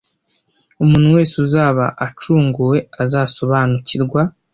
Umuntu wese uzaba acunguwe azasobanikirwa